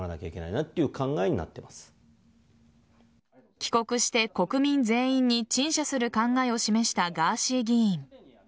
帰国して国民全員に陳謝する考えを示したガーシー議員。